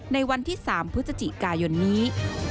ในวันที่๓พฤศจิกายนนี้